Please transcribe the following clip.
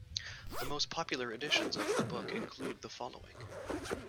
The most popular editions of the book include the following.